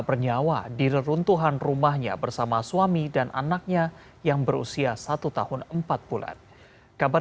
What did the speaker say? bernyawa di reruntuhan rumahnya bersama suami dan anaknya yang berusia satu tahun empat bulan kabar